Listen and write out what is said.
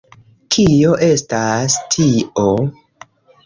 Kio estas tio??